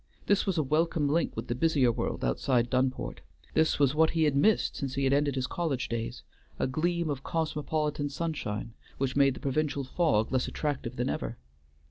This was a welcome link with the busier world outside Dunport; this was what he had missed since he had ended his college days, a gleam of cosmopolitan sunshine, which made the provincial fog less attractive than ever.